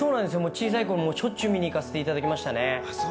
小さい頃、しょっちゅう見に行かせていただきましたね。